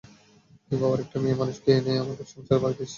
কিভাবে আরেকটা মেয়েমানুষকে এনে আমাদের সংসারে ভাগ দিস?